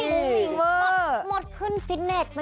อุ้ยหมดขึ้นฟิตเนสล่ะ